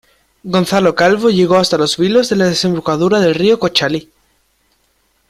Gonzalo Calvo llegó hasta Los Vilos en la desembocadura del río Conchalí.